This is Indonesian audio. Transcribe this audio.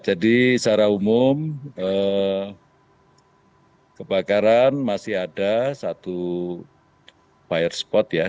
jadi secara umum kebakaran masih ada satu fire spot ya